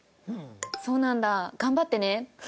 「そうなんだ頑張ってね！」。